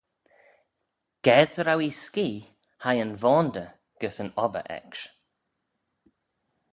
Ga dy row ee skee, hie yn voandyr gys yn obbyr ecksh.